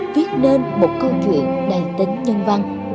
viết nên một câu chuyện đầy tính nhân văn